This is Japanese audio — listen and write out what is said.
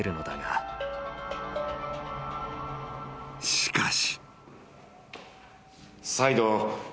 ［しかし］